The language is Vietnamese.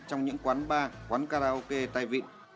trong những quán bar quán karaoke tai vịn